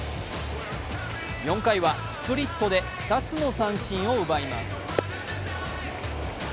４回はスプリットで２つの三振を奪います。